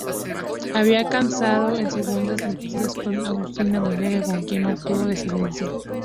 Había casado en segundas nupcias con Agustina Montagne, con quien no tuvo descendencia.